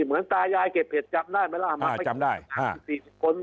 เหมือนตายายเก็บเผ็ดจับได้ไหมล่ะอ่าจำได้ฮะสี่สิบคน